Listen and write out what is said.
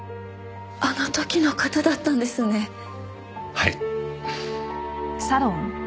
はい。